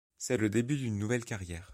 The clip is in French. C'est le début d'une nouvelle carrière.